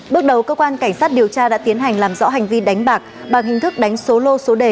bước đầu cơ quan cảnh sát điều tra đã tiến hành làm rõ hành vi đánh bạc bằng hình thức đánh số lô số đề